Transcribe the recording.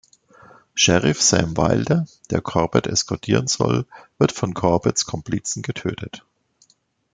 Sheriff Sam Wilder, der Corbett eskortieren soll, wird von Corbetts Komplizen getötet.